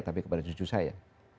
tapi kepada cucu saya